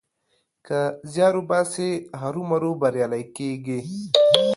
که زيار وباسې؛ هرو مرو بريالی کېږې.